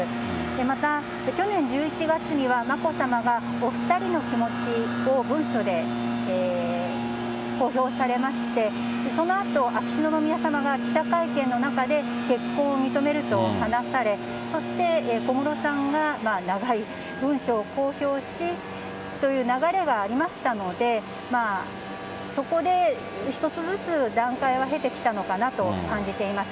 また、去年１１月には眞子さまがお２人の気持ちを文書で公表されまして、そのあと秋篠宮さまが記者会見の中で結婚を認めると話され、そして小室さんが長い文書を公表しという流れがありましたので、そこで一つずつ段階を経てきたのかなと感じています。